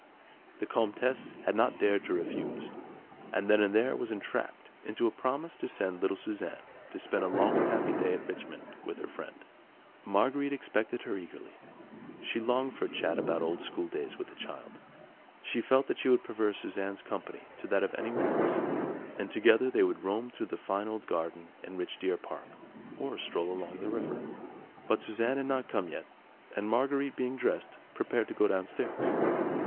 The Comtesse had not dared to refuse, and then and there was entrapped into a promise to send little Suzanne to spend a long and happy day at Richmond with her friend. Marguerite expected her eagerly; she longed for a chat about old schooldays with the child; she felt that she would prefer Suzanne's company to that of anyone else, and together they would roam through the fine old garden and rich deer park, or stroll along the river. But Suzanne had not come yet, and Marguerite being dressed, prepared to go downstairs.